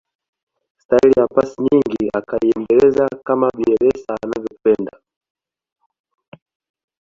staili ya pasi nyingi akaiendeleza kama bielsa anavyopenda